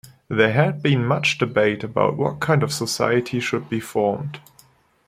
There had been much debate about what kind of society should be formed.